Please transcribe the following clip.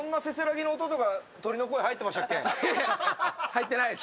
入ってないです。